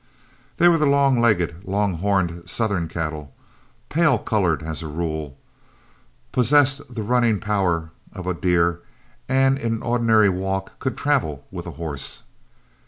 They were the long legged, long horned Southern cattle, pale colored as a rule, possessed the running powers of a deer, and in an ordinary walk could travel with a horse.